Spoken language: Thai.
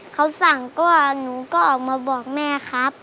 เขาสั่งก็หนูก็ออกมาบอกแม่ครับ